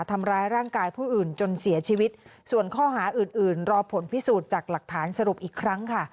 ทำร้ายร่างกายผู้อื่นจนเสียชีวิตส่วนข้อหาอื่นอื่นรอผลพิสูจน์จากหลักฐานสรุปอีกครั้งค่ะ